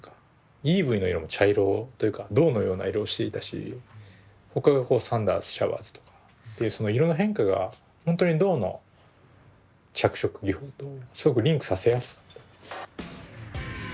イーブイの色も茶色というか銅のような色をしていたし他がサンダースシャワーズとかっていうその色の変化がほんとに銅の着色技法とすごくリンクさせやすかった。